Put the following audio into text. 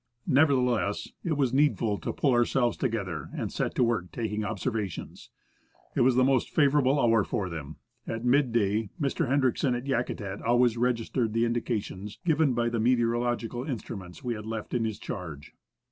Nevertheless, it was needful to pull ourselves together, and set to work taking observa tions. It was the most favourable hour for them. At mid day, Mr. Hendriksen, at Yakutat, always registered the indications given by the meteorological instruments we had left in his charge.